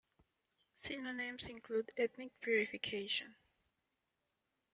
Synonyms include "ethnic purification".